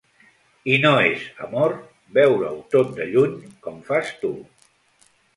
I no és amor veure-ho tot de lluny, com fas tu.